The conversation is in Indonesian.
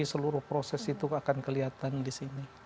seluruh proses itu akan kelihatan di sini